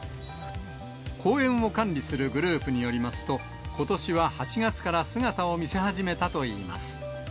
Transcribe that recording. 公園を管理するグループによりますと、ことしは８月から姿を見せ始めたといいます。